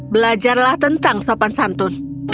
belajarlah tentang sopan santun